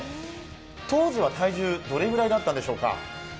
当時は体重どれくらいだったんでしょうか？